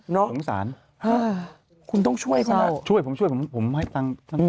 น้องสารคุณต้องช่วยคุณล่ะช่วยผมช่วยผมให้ตังค์